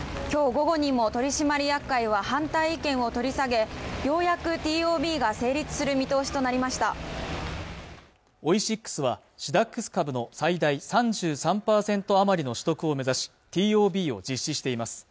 午後にも取締役会は反対意見を取り下げようやくＴＯＢが成立する見通しとなりましたオイシックスはシダックス株の最大３３％余りの取得を目指しＴＯＢを実施しています